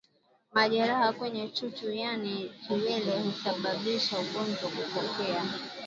Majeraha kwenye chuchu yaani kiwele husababisha ugonjwa kutokea